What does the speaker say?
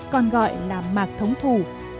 còn gọi là mạc thống thủ